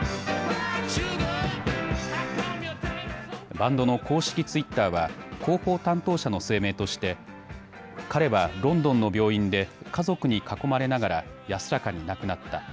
バンドの公式ツイッターは広報担当者の声明として彼はロンドンの病院で家族に囲まれながら安らかに亡くなった。